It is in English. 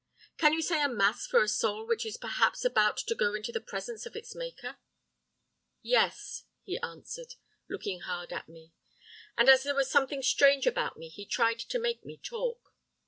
"'Can you say a mass for a soul which is perhaps about to go into the presence of its Maker?' "'Yes,' he answered, looking hard at me. "And as there was something strange about me, he tried to make me talk.